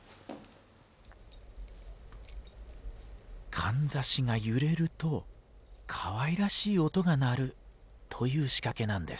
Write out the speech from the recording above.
かんざしが揺れるとかわいらしい音が鳴るという仕掛けなんです。